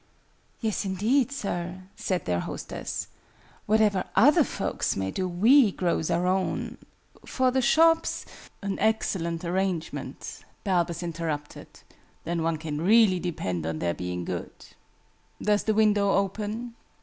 "Yes, indeed, sir!" said their hostess. "Whatever other folks may do, we grows our own. For the shops " "An excellent arrangement!" Balbus interrupted. "Then one can really depend on their being good. Does the window open?"